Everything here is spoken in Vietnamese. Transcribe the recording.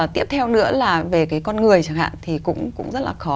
tiếp theo nữa là về cái con người chẳng hạn thì cũng rất là khó